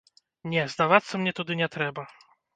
Не, здавацца мне туды не трэба.